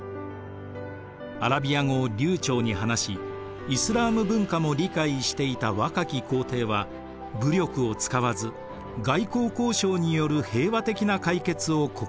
アラビア語を流ちょうに話しイスラーム文化も理解していた若き皇帝は武力を使わず外交交渉による平和的な解決を試みました。